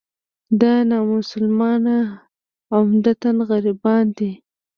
دا نامسلمانان عمدتاً غربیان دي.